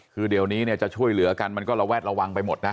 คือเดี๋ยวนี้เนี่ยจะช่วยเหลือกันมันก็ระแวดระวังไปหมดนะ